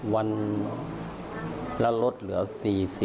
วันแล้วลดเหลือ๔๐